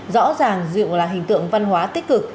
rõ ràng rượu là hình tượng văn hóa tích cực